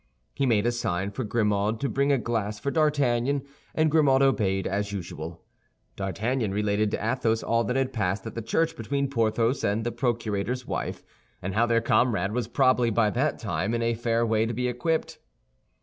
He made a sign for Grimaud to bring a glass for D'Artagnan, and Grimaud obeyed as usual. D'Artagnan related to Athos all that had passed at the church between Porthos and the procurator's wife, and how their comrade was probably by that time in a fair way to be equipped.